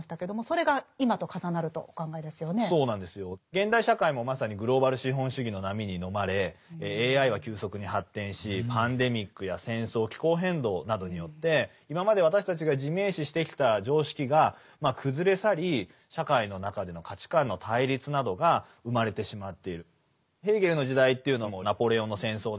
現代社会もまさにグローバル資本主義の波にのまれＡＩは急速に発展しパンデミックや戦争気候変動などによって今まで私たちが自明視してきた常識が崩れ去り社会の中での価値観の対立などが生まれてしまっている。